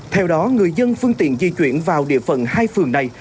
theo đó người dân phương tiện di chuyển vào địa phận hai phường này